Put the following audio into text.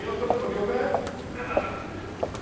漁船！？